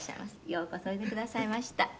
「ようこそおいでくださいました」